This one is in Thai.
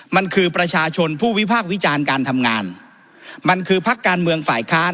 มันคือประชาชนผู้วิพากษ์วิจารณ์การทำงานมันคือพักการเมืองฝ่ายค้าน